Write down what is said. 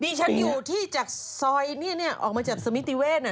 นี่ฉันอยู่ที่จากซอยนี่ออกมาจากสมิทริเวส